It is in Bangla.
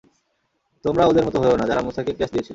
তোমরা ওদের মত হয়ো না, যারা মূসাকে ক্লেশ দিয়েছিল।